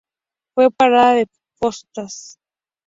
Fue parada de postas.